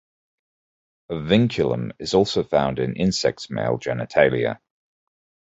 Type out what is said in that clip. A vinculum is also found in insects' male genitalia.